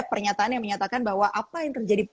pernyataan yang menyatakan bahwa apa yang terjadi